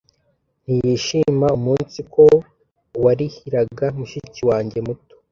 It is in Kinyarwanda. ntiyishima umunsiko uwarihiraga mushiki wanjye muto